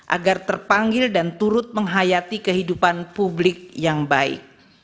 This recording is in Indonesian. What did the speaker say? agar terpanggil dan turut menghayati kehidupan publik yang baik